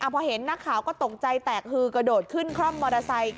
พอเห็นนักข่าวก็ตกใจแตกฮือกระโดดขึ้นคร่อมมอเตอร์ไซค์